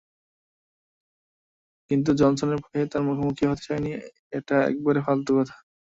কিন্তু জনসনের ভয়ে তার মুখোমুখি হতে চাইনি এটা একেবারে ফালতু কথা।